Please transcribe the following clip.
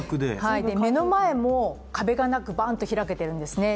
目の前も壁がなくバーンと開けているんですね。